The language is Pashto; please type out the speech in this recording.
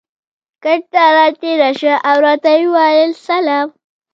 کټ ته را تېره شوه او راته یې وویل: سلام.